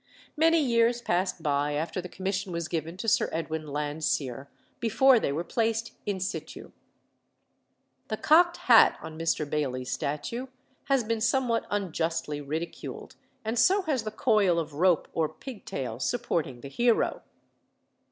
Many years passed by after the commission was given to Sir Edwin Landseer before they were placed in situ. The cocked hat on Mr. Baily's statue has been somewhat unjustly ridiculed, and so has the coil of rope or pigtail supporting the hero.